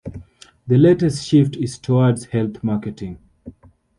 The latest shift is towards health marketing.